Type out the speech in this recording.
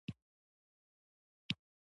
د افغانستان طبیعت له جلګه څخه جوړ شوی دی.